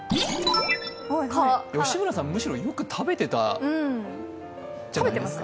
吉村さん、むしろよく食べてたんじゃない？